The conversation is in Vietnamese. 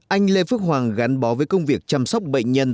anh lê phước hoàng gắn bó với công việc chăm sóc bệnh nhân